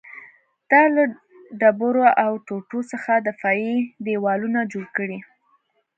دا له ډبرو او ټوټو څخه دفاعي دېوالونه جوړ کړي